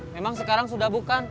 memang sekarang sudah bukan